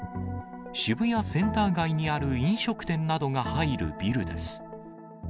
渋谷センター街にある飲食店などが入るビルです。